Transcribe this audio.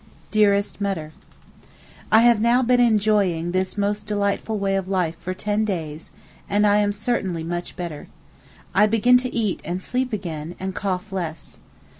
DEAREST MUTTER, I have now been enjoying this most delightful way of life for ten days, and am certainly much better. I begin to eat and sleep again, and cough less.